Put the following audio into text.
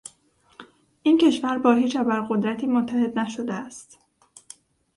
این کشور با هیچ ابرقدرتی متحد نشده است.